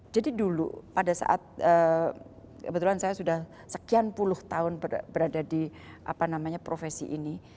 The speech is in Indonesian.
jadi dulu pada saat kebetulan saya sudah sekian puluh tahun berada di apa namanya profesi ini